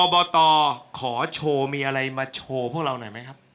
บตขอโชว์มีอะไรมาโชว์พวกเราหน่อยไหมครับ